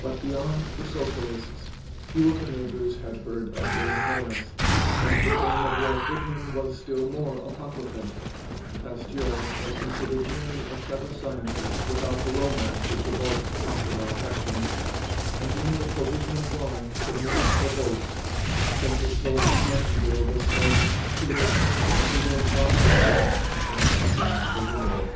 But beyond the socialists, few of the neighbors had heard of William Morris, and the fame of Walt Whitman was still more apocryphal; Pasteur was considered merely a clever scientist without the romance which evokes popular affection and in the provisional drawing submitted for votes, gentle Florence Nightingale was said "to look more as if she were robbing the dead than succoring the wounded."